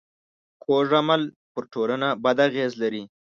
کوږ عمل پر ټولنه بد اغېز لري